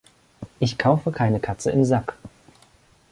Ich kaufe keine Katze im Sack.